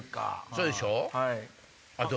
そうでしょ？